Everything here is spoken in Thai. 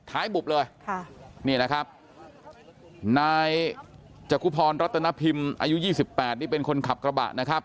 บุบเลยค่ะนี่นะครับนายจักุพรรัตนพิมพ์อายุ๒๘นี่เป็นคนขับกระบะนะครับ